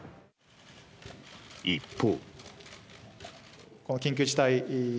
一方。